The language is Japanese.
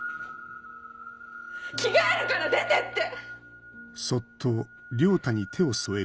着替えるから出てって！